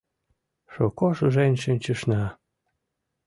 Шуко шужен шинчышна!